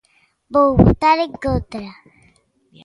Vou votar en contra.